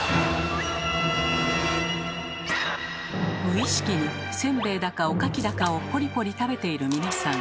⁉無意識にせんべいだかおかきだかをポリポリ食べている皆さん。